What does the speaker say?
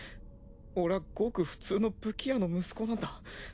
俺はごく普通の武器屋の息子なんだ。